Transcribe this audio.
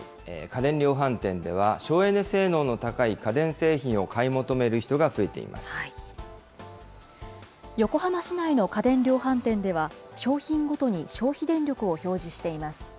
家電量販店では、省エネ性能の高い家電製品を買い求める人が横浜市内の家電量販店では、商品ごとに消費電力を表示しています。